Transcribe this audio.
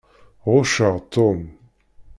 Ɣucceɣ Tom.